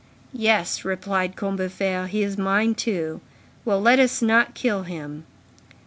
"Yes," replied Combeferre, "he is mine too. Well, let us not kill him."